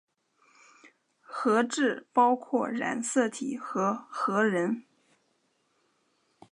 核质包括染色体和核仁。